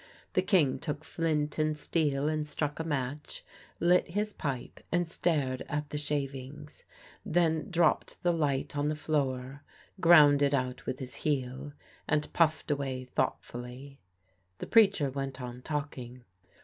The King took flint and steel and struck a match; lit his pipe, and stared at the shavings; then dropped the light on the floor, ground it out with his heel, and puffed away thoughtfully. The preacher went on talking.